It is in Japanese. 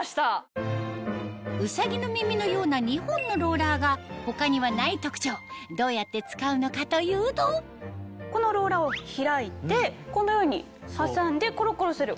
ウサギの耳のような２本のローラーが他にはない特徴どうやって使うのかというとこのローラーを開いてこのように挟んでコロコロする。